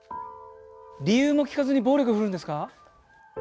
理由も聞かずに暴力振るうんですか。